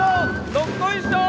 どっこいしょー